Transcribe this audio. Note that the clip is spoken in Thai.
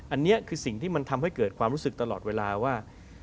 อันนี้คือสิ่งที่มันทำให้เกิดความรู้สึกตลอดเวลาว่า